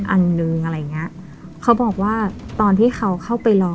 อันหนึ่งอะไรอย่างเงี้ยเขาบอกว่าตอนที่เขาเข้าไปรอ